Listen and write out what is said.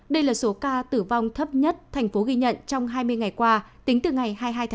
đây là số ca tử vong thấp nhất tp hcm ghi nhận trong hai mươi ngày qua tính từ ngày hai mươi hai tám